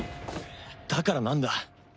だからなんだ？